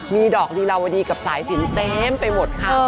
มีดอกลีลาวดีกับสายสินเต็มไปหมดค่ะ